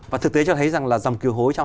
và thực tế cho thấy rằng là dòng kiều hối trong